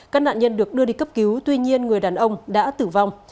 các nạn nhân được đưa đi cấp cứu tuy nhiên người đàn ông đã tử vong